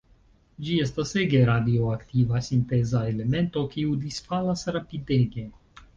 Ĝi estas ege radioaktiva sinteza elemento, kiu disfalas rapidege.